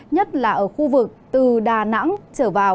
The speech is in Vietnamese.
nhất là ở khu vực từ đà nẵng trở vào đến bình thuận